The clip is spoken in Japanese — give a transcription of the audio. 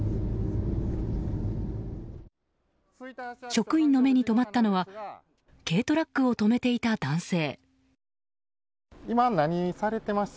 職員の目に留まったのは軽トラックを止めていた男性。